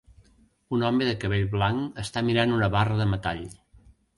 Un home de cabell blanc està mirant una barra de metall